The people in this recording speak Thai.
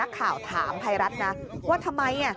ข่าวถามไทยรัฐนะว่าทำไม